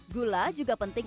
gula juga penting